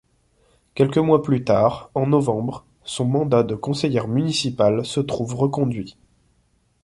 Quelques mois plus tard, en novembre, son mandat de conseillère municipale se trouve reconduit.